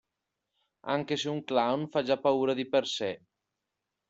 Anche se un clown fa già paura di per sé".